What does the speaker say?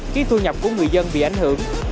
khi thu nhập của người dân bị ảnh hưởng